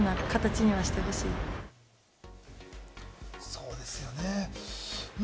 そうですよね。